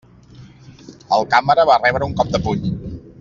El càmera va rebre un cop de puny.